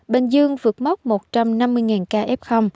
bình dương vượt móc một trăm năm mươi ca f